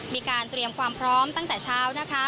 มีการเตรียมความพร้อมตั้งแต่เช้านะคะ